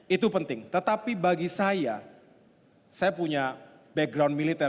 itu penting tetapi bagi saya saya punya background militer